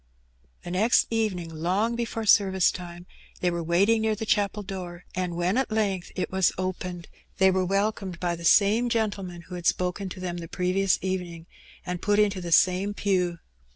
The next evening, long before service time, they were waiting near the chapel door, and when at length it was opened, they were welcomed by the same gentleman who had spoken to them the previous evening, and put into the ttune pew.